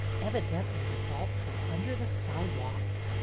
Evidently the vaults were under the sidewalk.